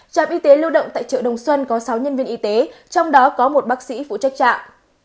trạm y tế lưu động tại chợ đồng xuân có sáu nhân viên y tế trong đó có một bác sĩ phụ trách trạm